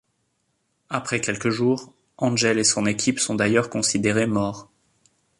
Après quelques jours, Angel et son équipe sont d'ailleurs considérés morts.